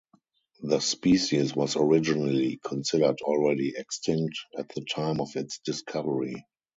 The species was originally considered already extinct at the time of its discovery.